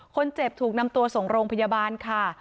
ถูกนำตัวส่งโรงพยาบาลค่ะ